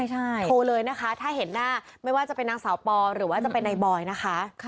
โทรเลยนะคะถ้าเห็นหน้าไม่ว่าจะเป็นนางสาวปอหรือว่าจะเป็นนายบอยนะคะ